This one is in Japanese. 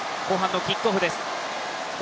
後半のキックオフです。